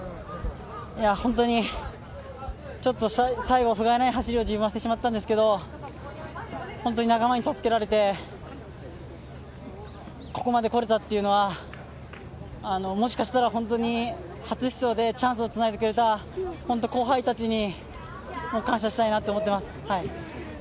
本当に最後、不甲斐ない走りをしてしまったんですけれど、仲間に助けられて、ここまでこられたというのはもしかしたら本当に初出場でチャンスをつないでくれた後輩たちに感謝したいと思っています。